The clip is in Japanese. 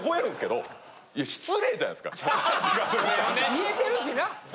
見えてるしな。